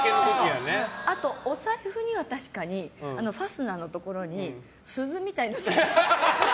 あと、お財布には確かにファスナーのところに鈴みたいなのをつけてます。